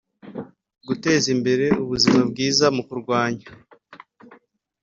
Guteza imbere ubuzima bwiza mu kurwanya